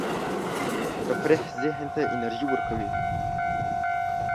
تفریح ذهن ته انرژي ورکوي.